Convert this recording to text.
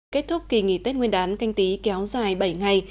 kết thúc kỳ nghỉ tết nguyên đán canh tí kéo dài bảy ngày